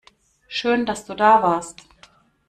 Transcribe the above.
Schön, dass du da warst.